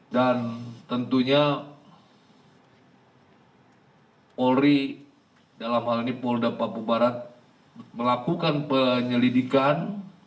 dan tentunya polri dalam hal ini polda papua barat melakukan penyelidikan